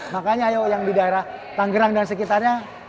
makanya ayo yang di daerah tanggerang dan sekitarnya